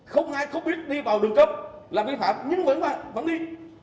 không ai không biết đi vào đường cấp là vi phạm nhưng vẫn đi